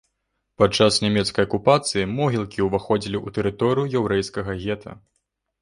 Падчас нямецкай акупацыі могілкі ўваходзілі ў тэрыторыю яўрэйскага гета.